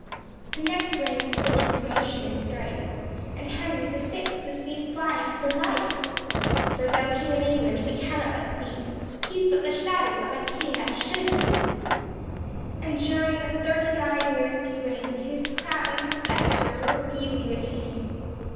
The next reign is full of commotion and strife, And Henry the sixth is seen flying for life; For though King of England, we cannot but see He's but the shadow of a king that should be; And during the thirty nine years that he reigned His crown and his sceptre were feebly retained.